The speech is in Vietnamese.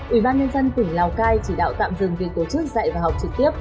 ủy ban nhân dân tỉnh lào cai chỉ đạo tạm dừng việc tổ chức dạy và học trực tiếp